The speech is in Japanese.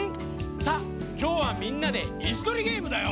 さあきょうはみんなでいすとりゲームだよ。